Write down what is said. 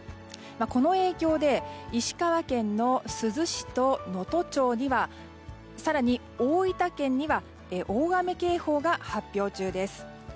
この影響で、石川県の珠洲市と能登町、更に大分県には大雨警報が発表中です。